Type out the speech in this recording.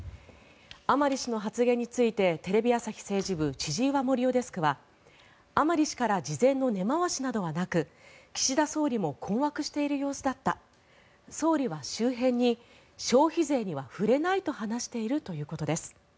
甘利氏の発言についてテレビ朝日政治部千々岩森生デスクは甘利氏から事前の根回しなどはなく岸田総理も困惑している様子だった総理は周辺に消費税には触れないと話しているということです。